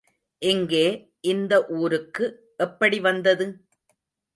இங்கே, இந்த ஊருக்கு எப்படி வந்தது?